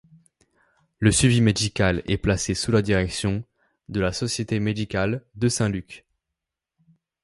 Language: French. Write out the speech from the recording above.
Le suivi médical est placé sous la direction de la Société médicale de Saint-Luc.